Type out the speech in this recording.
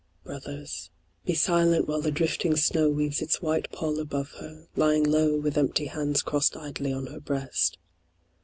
Brothers, be silent while the drifting snow Weaves its white pall above her, lying low With empty hands crossed idly on her breast.